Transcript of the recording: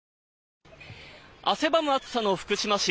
汗ばむ暑さの福島市。